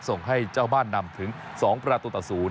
ส่งให้เจ้าบ้านนำถึง๒ประตูต่อ๐